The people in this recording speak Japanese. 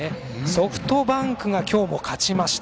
ソフトバンクが今日も勝ちました。